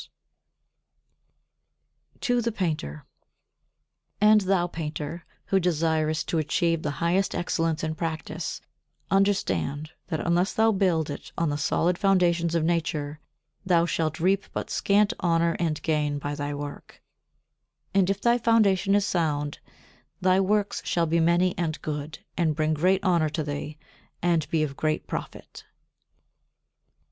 [Sidenote: To the Painter] 40. And thou, painter, who desirest to achieve the highest excellence in practice, understand that unless thou build it on the solid foundations of nature, thou shalt reap but scant honour and gain by thy work; and if thy foundation is sound, thy works shall be many and good, and bring great honour to thee, and be of great profit.